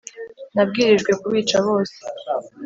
nabwirijwe kubica bose